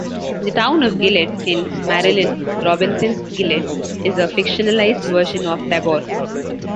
The town of Gilead, in Marilynne Robinson's "Gilead", is a fictionalised version of Tabor.